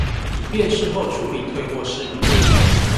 以便事後處理退貨事宜